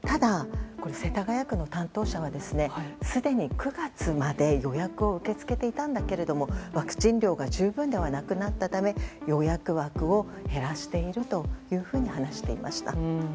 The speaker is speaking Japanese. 世田谷区の担当者はすでに９月まで予約を受け付けていたんですが配分量が十分じゃなくなったため予約枠を減らしていると話していました。